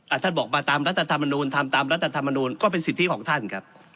ท่านบอกมาตามรัฐธรรมนูลทำตามรัฐธรรมนูลก็เป็นสิทธิของท่านครับ